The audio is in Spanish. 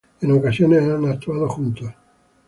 En ocasiones han actuado juntos.